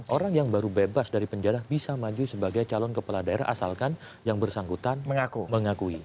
orang yang baru bebas dari penjara bisa maju sebagai calon kepala daerah asalkan yang bersangkutan mengakui